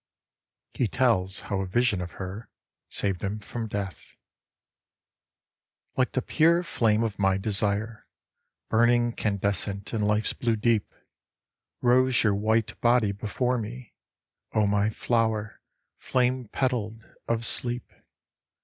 He tells how a Vision of Her saved him from Death LIKE the pure flame of my desire, Burning candescent in life's blue deep, Rose your white body before me, O my flower, flame petalled, of sleep